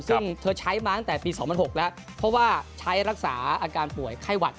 ซึ่งเธอใช้มาตั้งแต่ปี๒๐๐๖แล้วเพราะว่าใช้รักษาอาการป่วยไข้หวัด